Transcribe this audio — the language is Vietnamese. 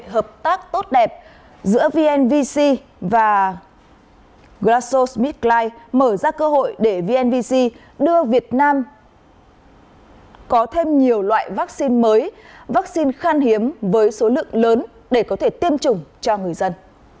hợp tác tốt đẹp giữa vnvc và graso smitly mở ra cơ hội để vnvc đưa việt nam có thêm nhiều loại vaccine mới vaccine khan hiếm với số lượng lớn để có thể tiêm chủng cho người dân